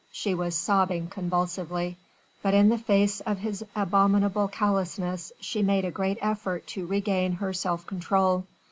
She was sobbing convulsively. But in the face of his abominable callousness, she made a great effort to regain her self control.